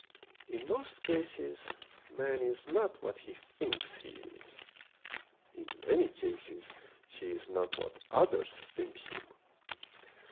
In most cases man is not what he thinks he is. In many cases he is not what others think him.